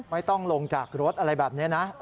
ไม่ต้องลงจากรถอะไรแบบนี้นะ